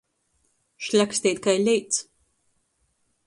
Šļaksteit kai leits.